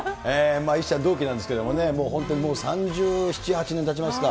石ちゃん、同期なんですけれどもね、もう本当に３７、８年たちますか。